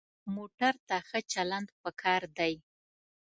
موټر ته ښه چلند پکار دی.